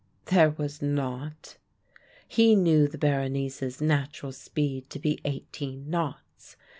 There was not. He knew the Berenice's natural speed to be eighteen knots.